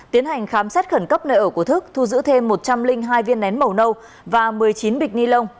tiến hành khám xét khẩn cấp nơi ở của thức thu giữ thêm một trăm linh hai viên nén màu nâu và một mươi chín bịch ni lông